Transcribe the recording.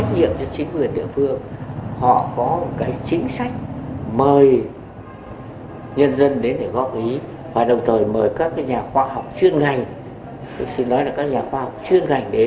để cho tôi ngồi để có cuộc sống